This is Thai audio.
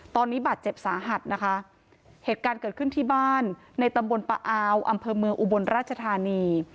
ตอนนี้บาดเจ็บสาหัสนะคะเหตุการณ์เกิดขึ้นที่บ้านในตำบลปะอาวอำเภอเมืองอุบลราชธานี